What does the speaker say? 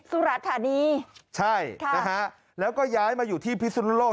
สุรธานีใช่ค่ะนะฮะแล้วก็ย้ายมาอยู่ที่พิสุนโลก